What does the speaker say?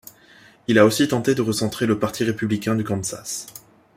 Il a aussi tenté de recentrer le parti républicain du Kansas.